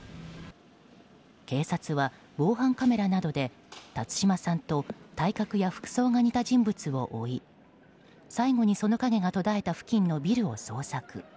警察は防犯カメラなどで辰島さんと体格や服装が似た人物を追い最後にその影が途絶えた付近のビルを捜索。